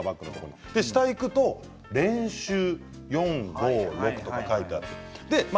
下にいくと、練習４、５、６と書いています。